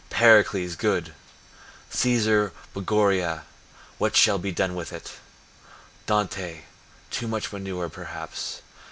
Pericles, good. Caesar Borgia, what shall be done with it? Dante, too much manure, perhaps.